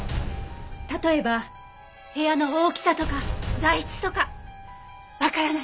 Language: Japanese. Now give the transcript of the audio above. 例えば部屋の大きさとか材質とかわからない？